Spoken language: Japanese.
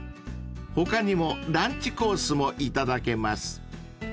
［他にもランチコースもいただけます］